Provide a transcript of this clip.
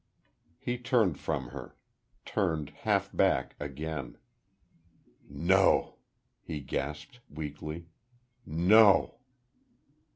He turned from her.... Turned half back again.... "No!" he gasped, weakly.... "No."